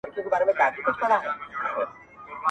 له ګلفامه سره لاس کي ېې جام راوړ,